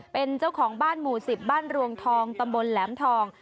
เป็นเจ้าของบ้านหมู่๑๐บ้านรวงทองตำบลแหลมทอง